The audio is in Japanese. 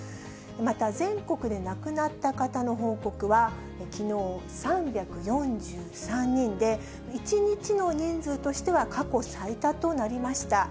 また、全国で亡くなった方の報告は、きのう３４３人で、１日の人数としては、過去最多となりました。